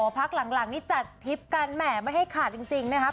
พลังหลังจัดทิพย์กันไม่ให้ขาดจริงนะครับ